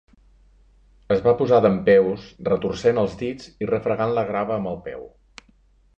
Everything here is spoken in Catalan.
Es va posar dempeus retorcent els dits i refregant la grava amb el peu.